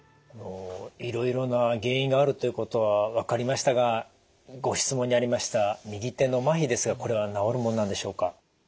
いろいろな原因があるということは分かりましたがご質問にありました右手の麻痺ですがこれは治るもんなんでしょうか？